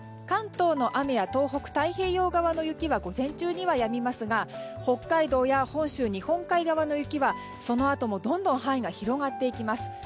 関東の雨や東北太平洋側の雪は午前中にはやみますが北海道、本州、日本海側の雪はそのあとも、どんどん範囲が広がっていきます。